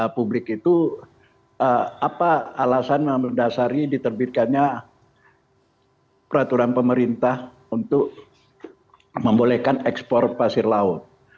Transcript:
publik itu apa alasan mendasari diterbitkannya peraturan pemerintah untuk membolehkan ekspor pasir laut